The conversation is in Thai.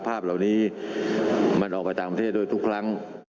ภาพเหล่านี้มันออกไปต่างประเทศด้วยทุกครั้ง